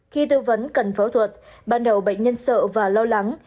khi tư vấn cần phẫu thuật ban đầu bệnh nhân sợ và lo lắng